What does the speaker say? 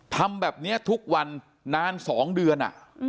ทำแบบนี้ทุกวันนาน๒เดือน